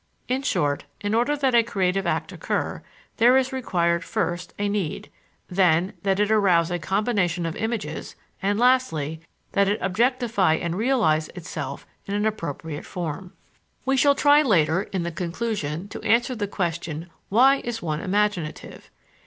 In short, in order that a creative act occur, there is required, first, a need; then, that it arouse a combination of images; and lastly, that it objectify and realize itself in an appropriate form. We shall try later (in the Conclusion) to answer the question, Why is one imaginative?